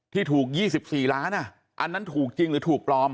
ที่ถูก๒๔ล้านอันนั้นถูกจริงหรือถูกปลอม